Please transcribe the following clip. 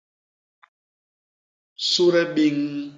Sude biñ.